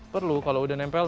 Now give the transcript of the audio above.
perlu kalau udah nempel